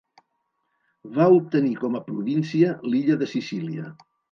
Va obtenir com a província l'illa de Sicília.